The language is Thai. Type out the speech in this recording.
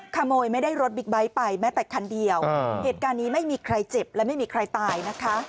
ขโมยไม่ได้รถบิ๊กไบท์ไปแม้แต่คันเดียวเหตุการณ์นี้ไม่มีใครเจ็บและไม่มีใครตายนะคะ